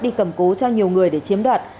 đi cầm cố cho nhiều người để chiếm đoạt